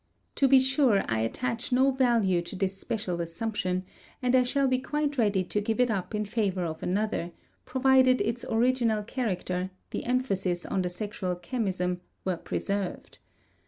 To be sure, I attach no value to this special assumption and I shall be quite ready to give it up in favor of another, provided its original character, the emphasis on the sexual chemism, were preserved.